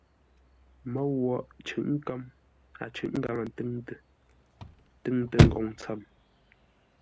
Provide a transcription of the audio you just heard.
Môu woghʼ cʉ̂ʼ kə̌m, a cʉ̂ʼ ngaŋə ntúŋtə, túŋtə́ ngoŋ tsəm.